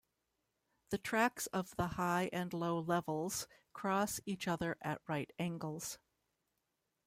The tracks of the high and low levels cross each other at right angles.